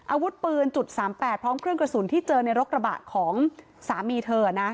อาวุธปืนจุด๓๘พร้อมเครื่องกระสุนที่เจอในรกระบะของสามีเธอนะ